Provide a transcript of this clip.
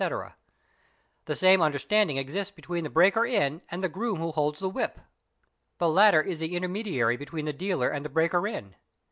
''_ The same understanding exists between the breaker in and the groom who holds the whip; the latter is the intermediary between the dealer and the breaker in.